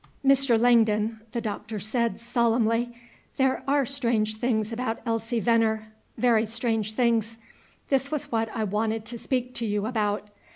"Mr. Langdon," the Doctor said, solemnly, "there are strange things about Elsie Veneer, very strange things. This was what I wanted to speak to you about.